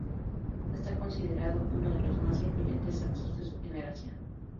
Está considerado uno de los más influyentes saxos de su generación.